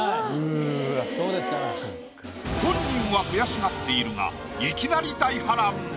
本人は悔しがっているがいきなり大波乱。